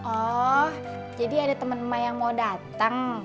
oh jadi ada teman teman yang mau datang